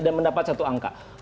dan mendapat satu angka